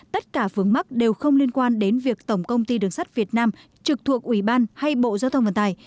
tất cả vướng mắc đều không liên quan đến việc tổng công ty đường sắt việt nam trực thuộc ủy ban hay bộ giao thông vận tải